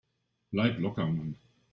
Bleib locker, Mann!